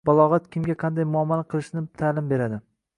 Balog‘at kimga qanday muomala qilishni ta’lim beradi.